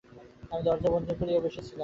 আমি দরজা বন্ধ কইরা বইসা ছিলাম।